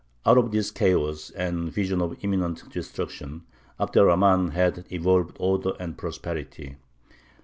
Out of this chaos and vision of imminent destruction Abd er Rahmān had evolved order and prosperity.